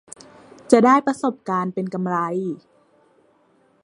จะได้ประสบการณ์เป็นกำไร